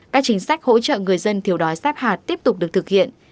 các chính sách hỗ trợ người dân thiếu đói sát hạt tiếp tục được thực hiện